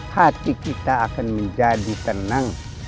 hati kita akan menjadi tenang